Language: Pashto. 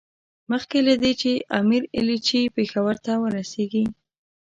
مخکې له دې چې د امیر ایلچي پېښور ته ورسېږي.